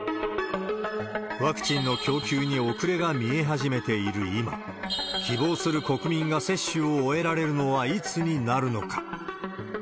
ワクチンの供給に遅れが見え始めている今、希望する国民が接種を終えられるのはいつになるのか。